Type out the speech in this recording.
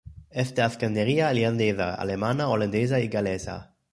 Es de ascendencia irlandesa, alemana, holandesa y galesa.